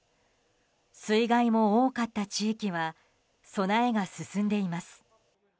水害も多かった地域は備えが進んでいます。